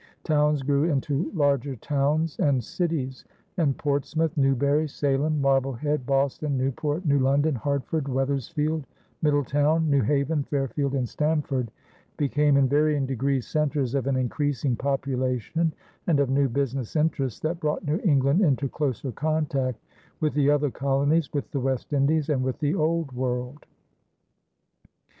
Towns grew into larger towns and cities; and Portsmouth, Newbury, Salem, Marblehead, Boston, Newport, New London, Hartford, Wethersfield, Middletown, New Haven, Fairfield, and Stamford became, in varying degrees, centers of an increasing population and of new business interests that brought New England into closer contact with the other colonies, with the West Indies, and with the Old World.